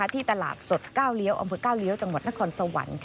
ที่ตลาดสดก้าวเลี้ยวอำเภอก้าวเลี้ยวจังหวัดนครสวรรค์